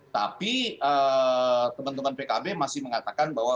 tapi teman teman pkb masih mengatakan bahwa